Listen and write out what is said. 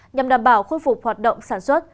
nhằm đảm bảo khôi phục hoạt động sản xuất